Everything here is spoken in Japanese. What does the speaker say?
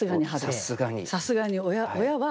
さすがに親は春。